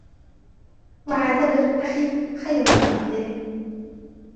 مُعَاتَبَةُ الْأَخِ خَيْرٌ مِنْ فَقْدِهِ